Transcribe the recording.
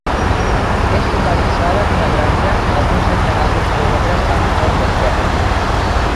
És localitzada en una granja alguns centenars de quilòmetres al nord de Perth.